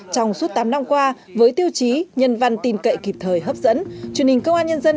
trong suốt tám năm qua với tiêu chí nhân văn tin cậy kịp thời hấp dẫn truyền hình công an nhân dân